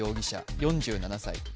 ４７歳。